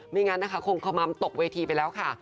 งั้นนะคะคงขมัมตกเวทีไปแล้วค่ะ